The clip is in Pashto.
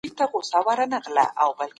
اقتصادي بدلونونه د څپو په څېر دي.